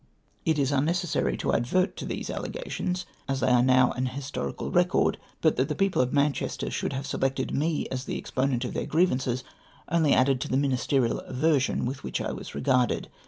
It is unnecessary to advert to these allegations, as they are now an historical record, but that the people of Manchester should have selected me as the exponent of thek grievances, only added to the ministerial aversion with which I was regarded.